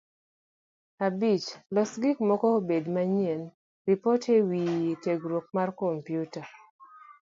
Abich; Loso gik moko obed manyien. Ripot e wi tiegruok mar kompyuta